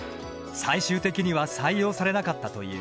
最終的には採用されなかったという。